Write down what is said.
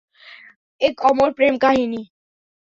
এক অমর প্রেম কাহিনী।